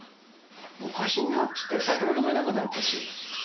おかしいなって言って、酒も飲めなくなったし。